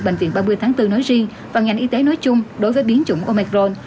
bệnh viện ba mươi tháng bốn nói riêng và ngành y tế nói chung đối với biến chủng omacron